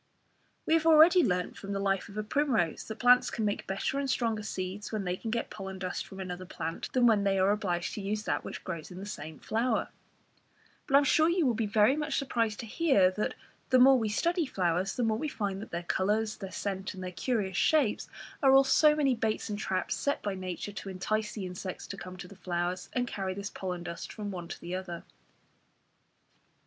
We have already learnt from the life of a primrose that plants can make better and stronger seeds when they can get pollen dust from another plant, than when they are obliged to use that which grows in the same flower; but I am sure you will be very much surprised to hear that the more we study flowers the more we find that their colours, their scent, and their curious shapes are all so many baits and traps set by nature to entice insects to come to the flowers, and carry this pollen dust from one to the other.